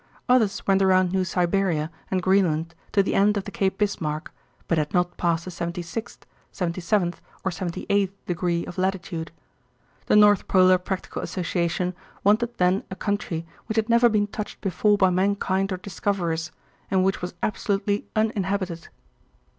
Others went around New Siberia and Greenland to the end of the Cape Bismarck, but had not passed the 76th, 77th, or 78th degree of latitude. The North Polar Practical Association wanted then a country which had never been touched before by mankind or discoverers, and which was absolutely uninhabited.